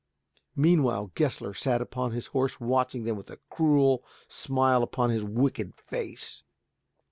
Meanwhile Gessler sat upon his horse watching them with a cruel smile upon his wicked face.